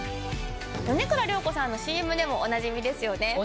米倉涼子さんのＣＭでもおなじみですよね。